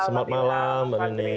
selamat malam mbak nini